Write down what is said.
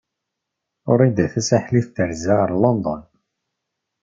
Wrida Tasaḥlit terza ɣef London.